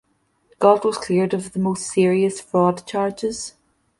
Gault was cleared of the most serious fraud charges.